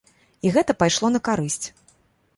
І гэта пайшло на карысць.